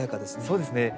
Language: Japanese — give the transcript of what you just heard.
そうですね。